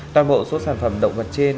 toàn bộ số sản phẩm động vật trên